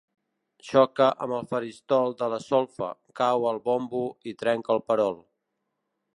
Xoque amb el faristol de la solfa, cau el bombo i trenca el perol.